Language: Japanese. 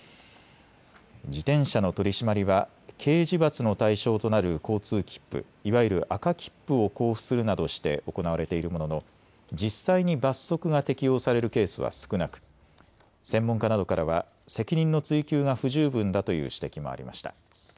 自転車の取締りは刑事罰の対象となる交通切符、いわゆる赤切符を交付するなどして行われているものの実際に罰則が適用されるケースは少なく専門家などからは責任の追及が不十分だという指摘もありました。